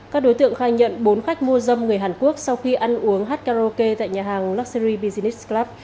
các đối tượng khai nhận bốn khách mua dâm người hàn quốc sau khi ăn uống hát karaoke tại nhà hàng luxury business club